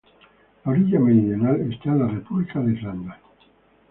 La orilla meridional está en la República de Irlanda.